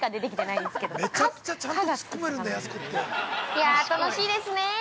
いや、楽しいですねぇ。